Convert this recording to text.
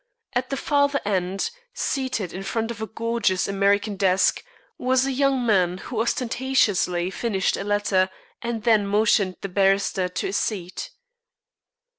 At the farther end, seated in front of a gorgeous American desk, was a young man who ostentatiously finished a letter and then motioned the barrister to a seat.